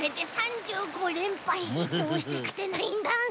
どうしてかてないんだ。